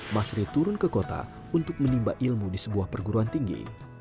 masri turun ke kota untuk menimba ilmu di sebuah perguruan tinggi